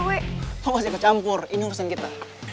kok masih kecampur ini urusan kita